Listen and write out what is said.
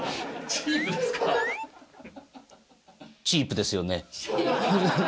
チープですよね。